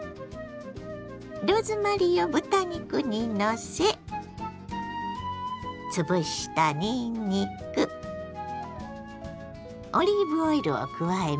ローズマリーを豚肉にのせ潰したにんにくオリーブオイルを加えます。